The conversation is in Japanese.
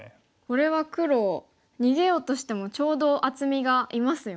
これは黒逃げようとしてもちょうど厚みがいますよね。